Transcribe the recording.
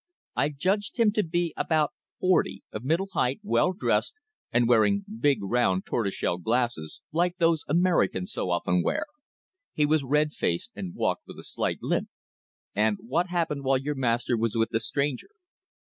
I judged him to be about forty, of middle height, well dressed, and wearing big round tortoiseshell glasses, like those Americans so often wear. He was red faced and walked with a slight limp." "And what happened while your master was with the stranger?"